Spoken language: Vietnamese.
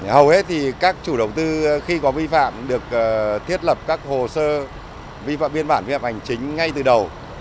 hầu hết thì các chủ đầu tư khi có vi phạm được thiết lập các hồ sơ vi phạm biên bản vi phạm hành chính ngay từ đầu